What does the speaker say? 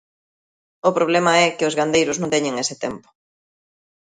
O problema é que os gandeiros non teñen ese tempo.